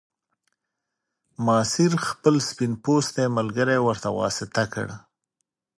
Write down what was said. ماسیر خپل سپین پوستی ملګری ورته واسطه کړ.